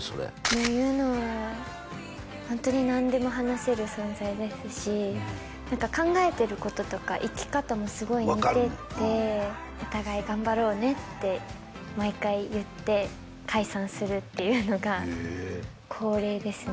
もう優乃はホントに何でも話せる存在ですし何か考えてることとか生き方もすごい似ててお互い頑張ろうねって毎回言って解散するっていうのが恒例ですね